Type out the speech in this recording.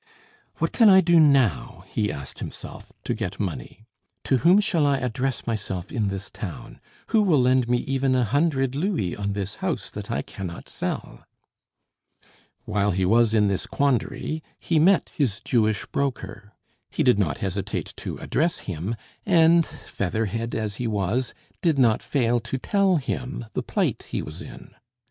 "What can I do now," he asked himself, "to get money? To whom shall I address myself in this town? Who will lend me even a hundred louis on this house that I can not sell?" While he was in this quandary, he met his Jewish broker. He did not hesitate to address him, and, featherhead as he was, did not fail to tell him the plight he was in.